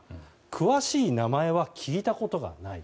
詳しい名前は聞いたことがない。